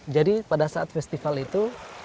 jadi pada saat festival itu